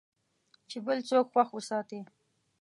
چې بل څوک خوښ وساتې .